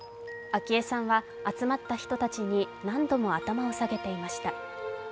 昭恵さんは集まった人たちに何度も頭を下げていました。